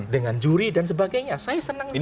dengan juri dan sebagainya saya senang ini